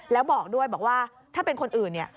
แล้วบอกด้วยถ้าเป็นคนอื่นนะ